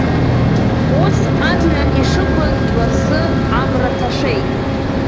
Ус амҩа ишықәыз лассы амра ҭашәеит.